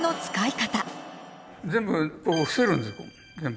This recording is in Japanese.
全部伏せるんです。